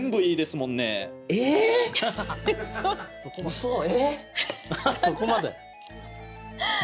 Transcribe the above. そこまで？